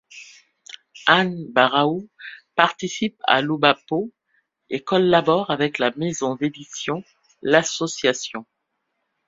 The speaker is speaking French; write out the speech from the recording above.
Anne Baraou participe à l'OuBaPo et collabore avec la maison d'édition L'Association.